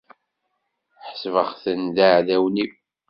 Ḥesbeɣ-ten d iɛdawen-iw.